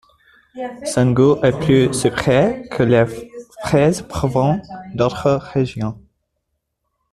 Son goût est plus sucré que les fraises provenant d’autres régions.